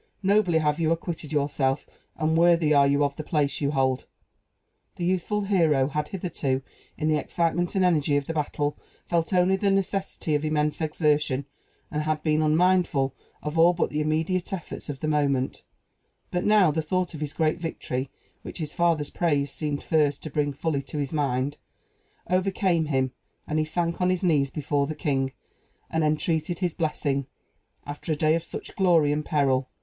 Nobly have you acquitted yourself, and worthy are you of the place you hold!" The youthful hero had hitherto, in the excitement and energy of the battle, felt only the necessity of immense exertion, and had been unmindful of all but the immediate efforts of the moment; but now, the thought of his great victory which his father's praise seemed first to bring fully to his mind overcame him, and he sank on his knees before the king, and entreated his blessing, after a day of such glory and peril.